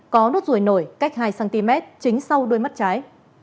có nốt ruồi nổi cách hai cm chính sau đôi mắt trái